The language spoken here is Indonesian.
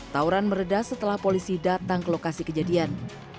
tauran meredah setelah polisi datang ke lokasi kejadian